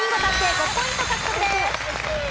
５ポイント獲得です。